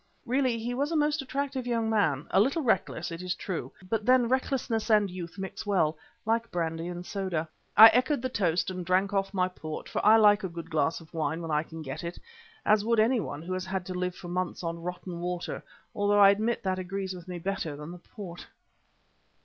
Really he was a most attractive young man, a little reckless, it is true, but then recklessness and youth mix well, like brandy and soda. I echoed the toast and drank off my port, for I like a good glass of wine when I can get it, as would anyone who has had to live for months on rotten water, although I admit that agrees with me better than the port.